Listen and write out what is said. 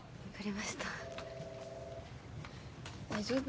大丈夫？